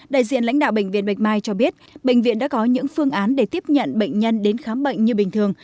đại diện lãnh đạo bệnh viện bạch mai cho biết bệnh viện đã có những phương án để tiếp nhận bệnh nhân đến khám bệnh như bình thường